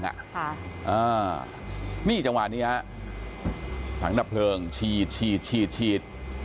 ค่ะอ่านี่จังหวะนี้ฮะถังดับเพลิงฉีดฉีด